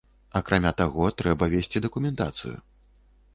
Акрамя таго, трэба весці дакументацыю.